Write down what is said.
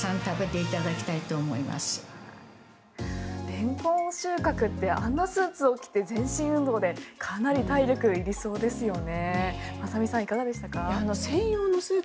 レンコン収穫ってあんなスーツを着て全身運動でかなり体力いりそうですよね。